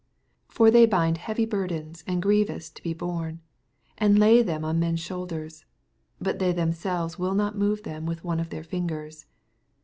4 For they bind heavy burdens and grievoos to be borne, and lay them on men's shonlders; out they tltem gelves will not move them with one of their fingers.